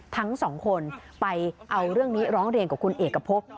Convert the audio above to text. ทั้งสองคนไปเอาเรื่องนี้ร้องเรียนกับคุณเอกพบ